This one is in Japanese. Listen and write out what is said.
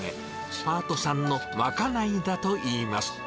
パートさんのまかないだといいます。